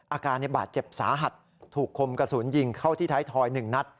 อาการบาดเจ็บสาหัสถูกคมกระสุนยิงเข้าที่ท้ายทอย๑นัด